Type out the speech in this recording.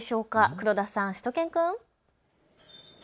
黒田さん、しゅと犬くん。